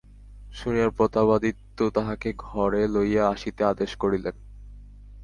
শুনিয়া প্রতাপাদিত্য তাহাকে ঘরে লইয়া আসিতে আদেশ করিলেন।